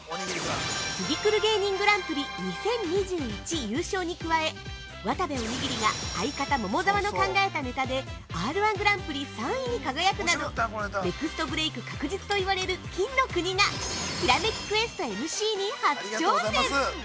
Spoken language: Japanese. ◆ツギクル芸人グランプリ２０２１優勝に加え渡部おにぎりが相方・桃沢の考えたネタでＲ−１グランプリ３位に輝くなどネクストブレイク確実と言われる「金の国」がひらめきクエストＭＣに初挑戦！